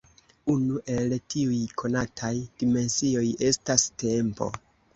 Unu el tiuj konataj dimensioj estas tempo.